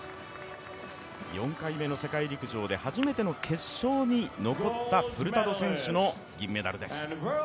４回目の世界陸上で初めての決勝に残ったフルタド選手の銀メダルです。